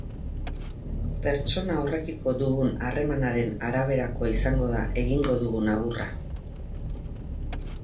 Pertsona horrekiko dugun harremanaren araberakoa izango da egingo dugun agurra.